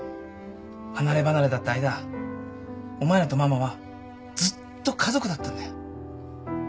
離れ離れだった間お前らとママはずっと家族だったんだよ。